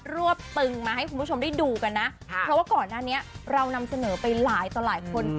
รวบตึงมาให้คุณผู้ชมได้ดูกันนะเพราะว่าก่อนหน้านี้เรานำเสนอไปหลายต่อหลายคน